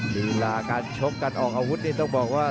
ลีลาการชกการออกอาวุธนี่ต้องบอกว่า